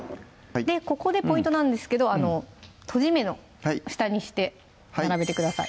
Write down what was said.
ここでポイントなんですけどとじ目の下にして並べてください